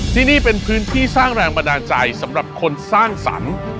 ที่นี่เป็นพื้นที่สร้างแรงบันดาลใจสำหรับคนสร้างสรรค์